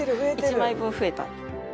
１枚分増えた。